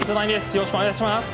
よろしくお願いします。